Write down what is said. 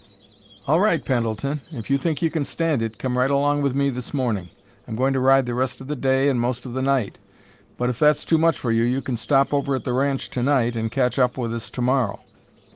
"All right, Pendleton! If you think you can stand it, come right along with me this morning. I'm going to ride the rest of the day and most of the night; but if that's too much for you you can stop over at the ranch to night, and catch up with us to morrow."